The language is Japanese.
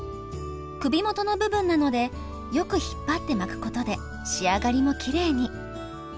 首元の部分なのでよく引っ張って巻くことで仕上がりもきれいに。